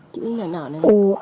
chữ nhỏ nhỏ này